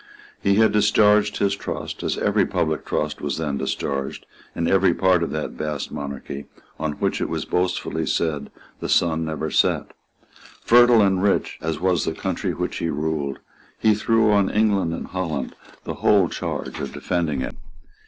He had discharged his trust as every public trust was then discharged in every part of that vast monarchy on which it was boastfully said that the sun never set. Fertile and rich as was the country which he ruled, he threw on England and Holland the whole charge of defending it.